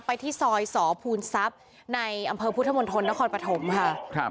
ที่ซอยสภูมิทรัพย์ในอำเภอพุทธมณฑลนครปฐมค่ะครับ